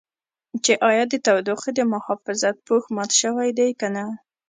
چې ایا د تودوخې د محافظت پوښ مات شوی دی که نه.